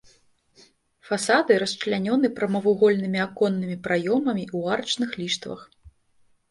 Фасады расчлянёны прамавугольнымі аконнымі праёмамі ў арачных ліштвах.